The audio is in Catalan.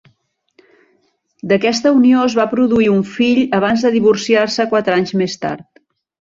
D'aquesta unió es va produir un fill abans de divorciar-se quatre anys més tard.